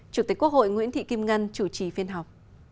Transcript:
chủ tịch quốc hội nguyễn thị kim ngân chủ trì phiên họp